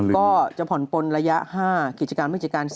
ก็จะผ่อนปนระยะ๕